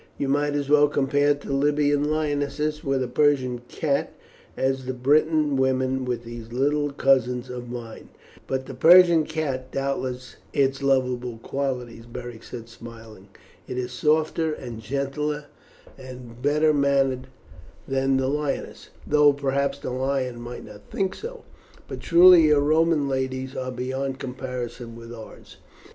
You might as well compare a Libyan lioness with a Persian cat as the British women with these little cousins of mine." "But the Persian cat has, doubtless, its lovable qualities," Beric said smiling. "It is softer and gentler and better mannered than the lioness, though, perhaps, the lion might not think so. But truly your Roman ladies are beyond comparison with ours.